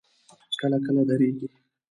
کله کله درېږي.